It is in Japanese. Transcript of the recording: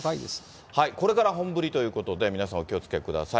これから本降りということで、皆さん、お気をつけください。